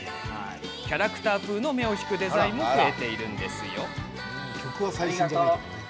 キャラクター風の目を引くデザインも増えているんです。